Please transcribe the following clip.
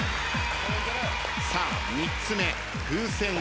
さあ３つ目風船５つ。